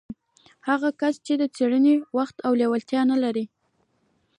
هغه کس چې د څېړنې وخت او لېوالتيا نه لري.